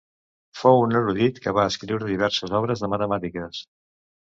Fou un erudit que va escriure diverses obres de matemàtiques.